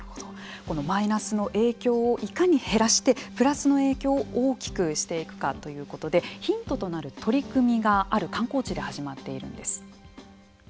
マイナスの影響をいかに減らしてプラスの影響を大きくしていくかということでヒントとなる取り組みがある観光地で始まっているんです。